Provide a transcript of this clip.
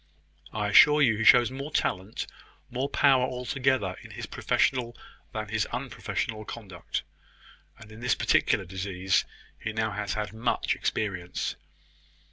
I assure you he shows more talent, more power altogether, in his professional than his unprofessional conduct; and in this particular disease he has now had much experience."